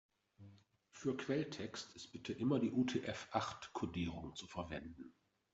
Für Quelltext ist bitte immer die UTF-acht-Kodierung zu verwenden.